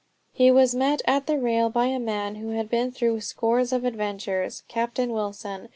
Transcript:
He was met at the rail by a man who had been through scores of adventures, Captain Wilson.